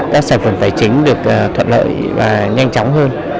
các sản phẩm tài chính được thuận lợi và nhanh chóng hơn